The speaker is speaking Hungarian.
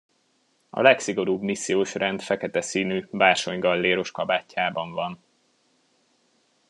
A legszigorúbb missziós rend fekete színű, bársonygalléros kabátjában van.